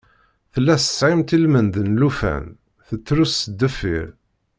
Tella tesɣimt ilmend n llufan, tettrus s deffir.